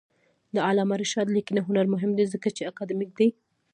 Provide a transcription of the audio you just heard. د علامه رشاد لیکنی هنر مهم دی ځکه چې اکاډمیک دی.